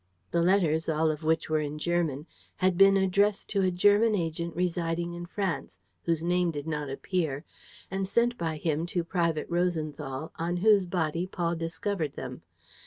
The letters, all of which were in German, had been addressed to a German agent residing in France, whose name did not appear, and sent by him to Private Rosenthal, on whose body Paul discovered them.